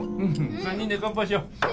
３人で乾杯しよう。